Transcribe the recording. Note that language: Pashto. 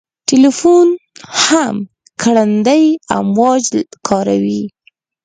تلیفون هم ګړندي امواج کاروي.